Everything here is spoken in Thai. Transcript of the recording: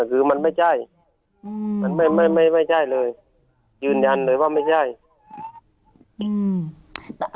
คือมันไม่ใช่อืมมันไม่ไม่ไม่ไม่ใช่เลยยืนยันเลยว่าไม่ใช่อืม